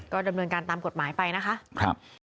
ก็ดำเนินการตามกฎหมายไปนะคะ